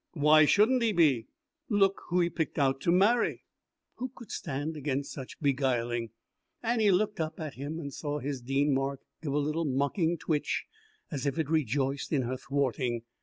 "Why shouldn't he be? Look who he picked out to marry." Who could stand against such beguiling? Annie looked up at him and saw his Dean mark give a little mocking twitch as if it rejoiced in her thwarting.